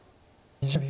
２０秒。